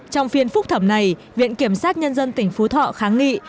trong phiên phúc thẩm này viện kiểm sát nhân dân tỉnh phú thọ kháng nghị